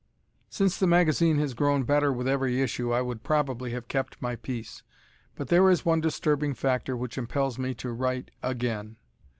Since the magazine has grown better with every issue I would probably have kept my peace; but there is one disturbing factor which impels me to write again.